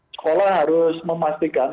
sekolah harus memastikan